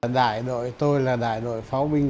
đại đội tôi là đại đội pháo binh tám trăm linh sáu